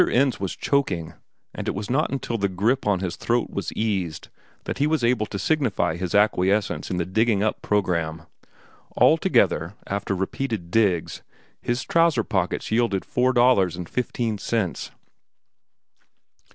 Ends was choking, and it was not until the grip on his throat was eased that he was able to signify his acquiescence in the digging up programme. All together, after repeated digs, its trousers pocket yielded four dollars and fifteen cents.